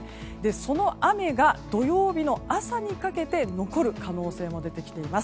その雨が土曜日の朝にかけて残る可能性も出てきています。